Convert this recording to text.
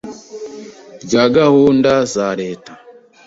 rya gahunda za leta